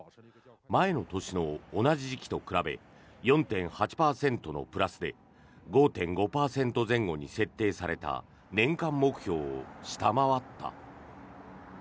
前の年の同じ時期と比べ４．８％のプラスで５．５％前後に設定された年間目標を下回った。